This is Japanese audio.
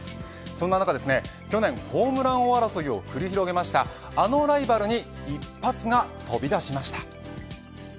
そんな中去年、ホームラン王争いを繰り広げたあのライバルに一発が飛び出しました。